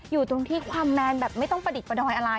อยู่ตรงที่ความแมนแบบไม่ต้องประดิษฐ์ประดอยอะไร